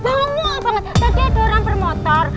bangung banget tadi ada orang bermotor